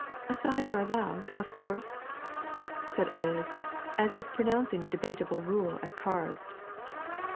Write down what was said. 'Asides are allowed, of course?' said Eliz, as if pronouncing a debatable rule at cards.